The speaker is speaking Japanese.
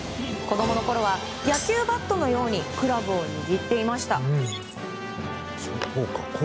子供のころは野球バットのようにクラブを握っていました。